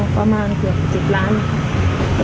ประมาณเกือบ๗ล้านบาท